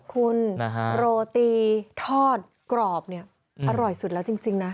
คุณโรตีทอดกรอบเนี่ยอร่อยสุดแล้วจริงนะ